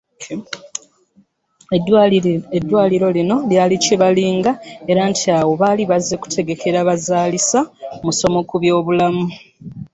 Eddwaaliro lino lyali Kibalinga era nti awo baali bazze kutegekera bazaalisa musomo ku byobulamu.